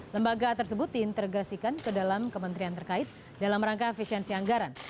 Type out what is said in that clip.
lembaga tersebut diintegrasikan ke dalam kementerian terkait dalam rangka efisiensi anggaran